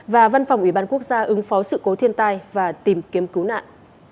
và văn phòng ủy ban quốc gia ứng phó sự cố thiên tai và tìm kiếm cứu nạn